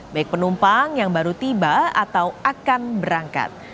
baik penumpang yang baru tiba atau akan berangkat